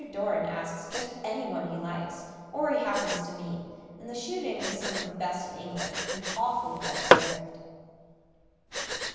Doran asks just any one he likes, or he happens to meet, and the shooting is some of the best in England, and awfully well preserved.